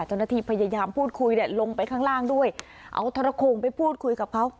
จนทีพยายามพูดคุยลงไปข้างล่างด้วยเอาธนโครงไปพูดคุยกับเขา